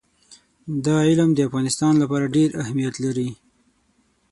دا علم د افغانستان لپاره ډېر اهمیت لري.